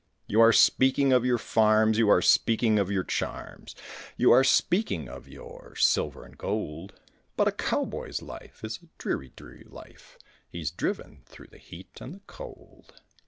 You are speaking of your farms, you are speaking of your charms, You are speaking of your silver and gold; But a cowboy's life is a dreary, dreary life, He's driven through the heat and cold.